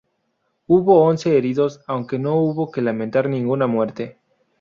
Hubo once heridos aunque no hubo que lamentar ninguna muerte.